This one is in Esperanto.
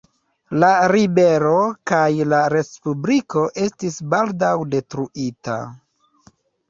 La ribelo kaj la respubliko estis baldaŭ detruita.